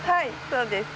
そうです。